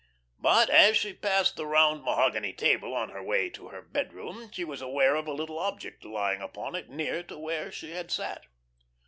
But, as she passed the round mahogany table, on her way to her bedroom, she was aware of a little object lying upon it, near to where she had sat.